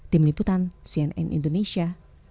tim liputan cnn indonesia